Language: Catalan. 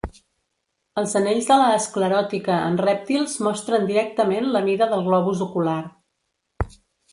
Els anells de la escleròtica en rèptils mostren directament la mida del globus ocular.